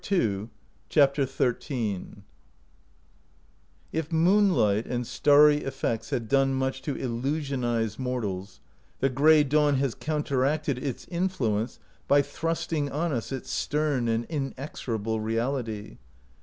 168 CHAPTER XIII IF moonlight and starry effects have done much to illusionize mortals, the gray dawn has counteracted its influence by thrusting on us its stern and inexorable reality.